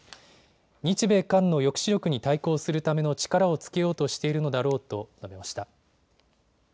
日米韓の抑止力に対抗するための力をつけようとしているのだろうと述べました。